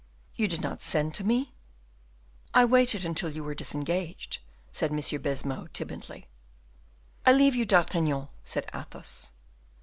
"You did not send to me?" "I waited until you were disengaged," said Monsieur Baisemeaux, timidly. "I leave you, D'Artagnan," said Athos.